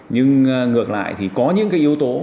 nhưng ngược lại thì có những cái yếu tố